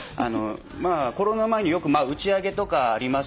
コロナ前によく打ち上げとかあります。